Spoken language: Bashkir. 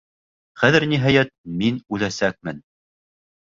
Хәҙер, ниһайәт, мин үләсәкмен.